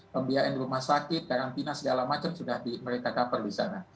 pembiayaan di rumah sakit karantina segala macam sudah mereka cover di sana